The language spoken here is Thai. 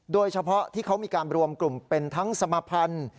โดยเฉพาะที่เขามีการรวมกลุ่มเป็นทั้งสมพันธ์